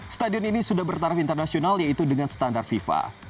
stadion ini sudah bertarif internasional yaitu dengan standar fifa